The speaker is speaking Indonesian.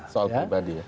soal pribadi ya